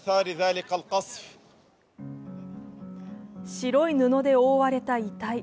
白い布で覆われた遺体。